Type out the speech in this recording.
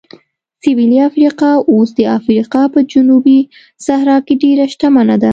سویلي افریقا اوس د افریقا په جنوبي صحرا کې ډېره شتمنه ده.